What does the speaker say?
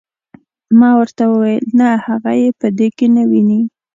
ما ورته وویل نه هغه یې په دې کې نه ویني.